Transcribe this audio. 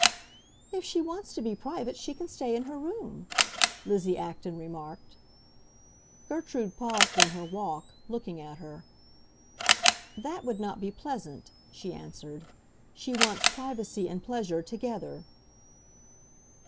"If she wants to be private she can stay in her room," Lizzie Acton remarked. Gertrude paused in her walk, looking at her. "That would not be pleasant," she answered. "She wants privacy and pleasure together."